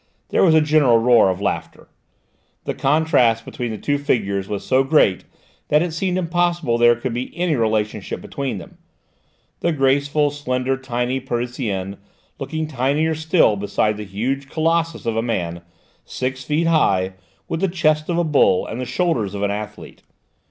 There was a general roar of laughter. The contrast between the two figures was so great that it seemed impossible there could be any relationship between them: the graceful, slender, tiny Parisienne looking tinier still beside the huge colossus of a man six feet high, with the chest of a bull and the shoulders of an athlete.